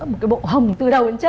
một cái bộ hồng từ đầu đến chân